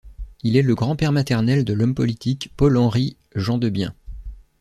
Il est le grand-père maternel de l'homme politique Paul-Henry Gendebien.